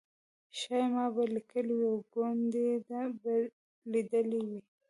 شایي ما به لیکلي وي او ګوندې ده به لیدلي وي.